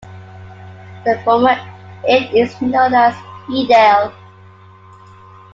The former Ede is known as Ede-Ile.